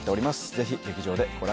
ぜひ劇場でご覧